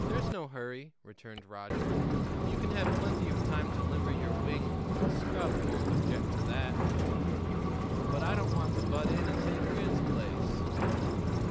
"There's no hurry," returned Roger. "You can have plenty of time to limber your wing; the scrub won't object to that." "But I don't want to butt in and take Grant's place."